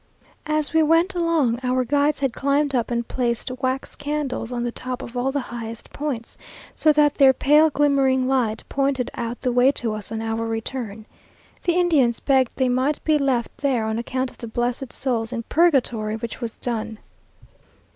As we went along, our guides had climbed up and placed wax candles on the top of all the highest points, so that their pale glimmering light pointed out the way to us on our return. The Indians begged they might be left there "on account of the blessed souls in purgatory," which was done.